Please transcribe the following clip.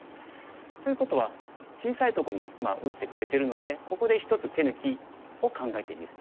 ということは小さいとこに打ってくれてるのでここで一つ手抜きを考えてみる。